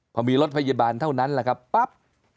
พอมีรถพยาบาลเท่านั้นแหละครับปั๊บ